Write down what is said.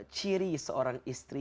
ciri seorang istri